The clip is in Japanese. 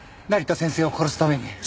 成田先生を殺すために。